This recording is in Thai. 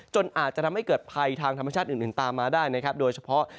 อาจจะทำให้เกิดภัยทางธรรมชาติอื่นตามมาได้นะครับโดยเฉพาะ